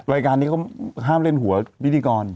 รายการนี้เขาห้ามเล่นหัวพิธีกร